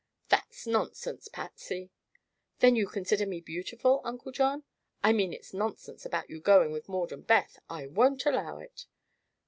"That's nonsense, Patsy!" "Then you consider me beautiful, Uncle John?" "I mean it's nonsense about your going with Maud and Beth. I won't allow it."